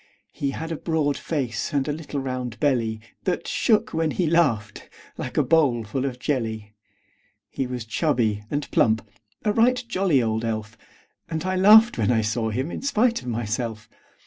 He had a broad face, and a little round belly That shook when he laughed, like a bowl full of jelly. He was chubby and plump a right jolly old elf; And I laughed when I saw him in spite of myself.